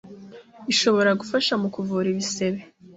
ishobora gufasha mu kuvura ibisebe,